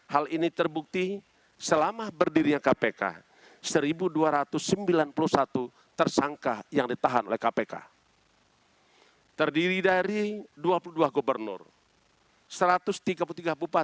hal ini terbukti selama berdiri kpk